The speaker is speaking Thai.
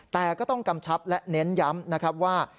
แต่ก็ต้องกำชับและเน้นย้ำนะครับว่า